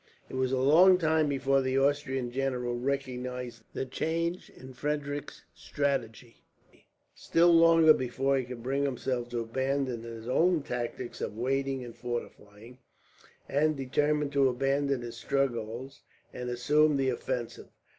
It was a long time before the Austrian general recognized the change in Frederick's strategy, still longer before he could bring himself to abandon his own tactics of waiting and fortifying, and determine to abandon his strongholds and assume the offensive.